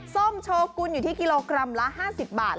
ส้มโชกุลอยู่ที่กิโลกรัมละ๕๐บาท